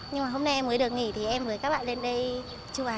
nhưng mà hôm nay em mới được nghỉ thì em hứa các bạn lên đây chụp ảnh